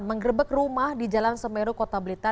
menggerebek rumah di jalan semeru kota blitar